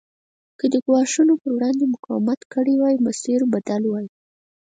که دې ګواښونو پر وړاندې مقاومت کړی وای مسیر بدل وای.